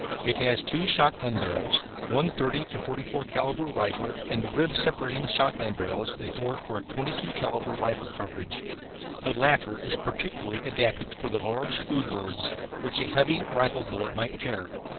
It has two shotgun barrels, one 30 to 44 calibre rifle and the rib separating the shotgun barrels is bored for a 22 calibre rifle cartridge. The latter is particularly adapted for the large food birds, which a heavy rifle bullet might tear.